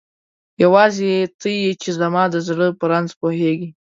یواځی ته یی چی زما د زړه په رنځ پوهیږی